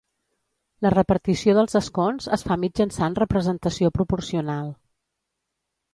La repartició dels escons es fa mitjançant representació proporcional.